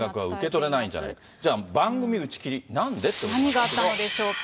じゃあ番組打ち切り、なんで何があったのでしょうか。